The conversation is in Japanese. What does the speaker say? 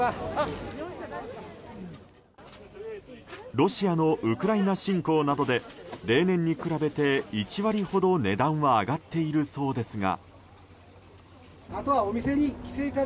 ロシアのウクライナ侵攻などで例年に比べて１割ほど値段は上がっているそうですが。